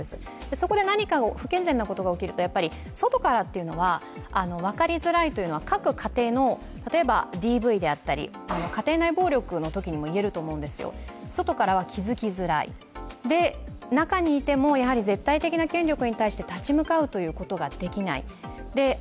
そこで何か不健全なことが起こると外からというのは、分かりづらいというのは各家庭の例えばＤＶであったり、家庭内暴力のときにも言えると思うんですよ、外からは気づきづらい、中にいても、絶対的な権力に対して立ち向かうということができない